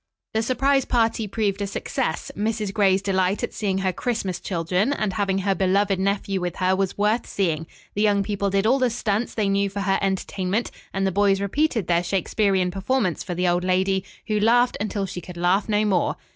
The surprise party proved a success. Mrs. Gray's delight at seeing her "Christmas children" and having her beloved nephew with her was worth seeing. The young people did all the "stunts" they knew for her entertainment, and the boys repeated their Shakespearian performance for the old lady, who laughed until she could laugh no more.